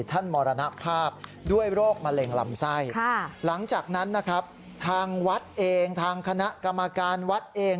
มรณภาพด้วยโรคมะเร็งลำไส้หลังจากนั้นนะครับทางวัดเองทางคณะกรรมการวัดเอง